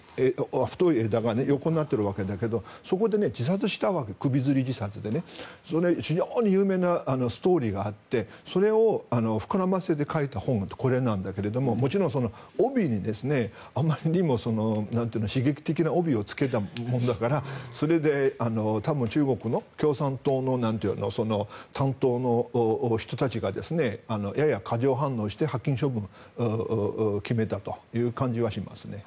太い枝が横になっているわけだけどそこで首つり自殺して非常に有名なストーリーがあってそれを膨らませて書いた本がこれなんだけれどもちろん帯にあまりにも刺激的な帯をつけたものだからそれで多分、中国の共産党の担当の人たちがやや過剰反応して発禁処分を決めたという感じはしますね。